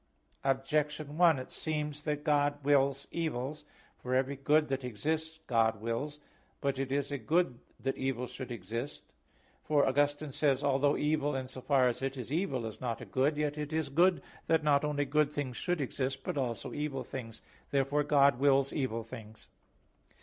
Objection 1: It seems that God wills evils. For every good that exists, God wills. But it is a good that evil should exist. For Augustine says (Enchiridion 95): "Although evil in so far as it is evil is not a good, yet it is good that not only good things should exist, but also evil things." Therefore God wills evil things.